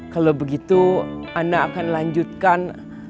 kalau begitu anda akan lanjutkan